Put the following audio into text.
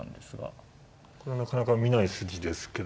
これはなかなか見ない筋ですけど。